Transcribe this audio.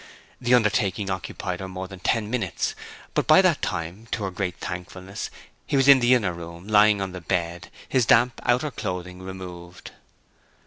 The undertaking occupied her more than ten minutes; but by that time, to her great thankfulness, he was in the inner room, lying on the bed, his damp outer clothing removed.